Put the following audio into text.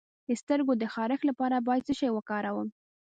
د سترګو د خارښ لپاره باید څه شی وکاروم؟